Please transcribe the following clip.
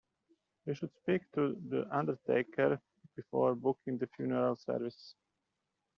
We should speak to the undertaker before booking the funeral service